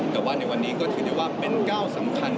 แต่ว่าในวันนี้ก็ถือได้ว่าเป็นก้าวสำคัญ